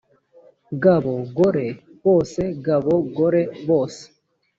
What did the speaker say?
gabo gore bose gabo gore bose